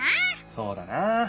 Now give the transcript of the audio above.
そうだな！